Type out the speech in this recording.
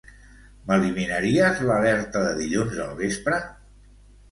M'eliminaries l'alerta de dilluns al vespre?